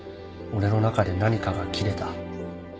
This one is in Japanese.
俺の中で何かが切れた。